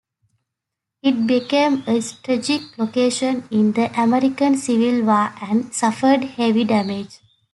It became a strategic location in the American Civil War and suffered heavy damage.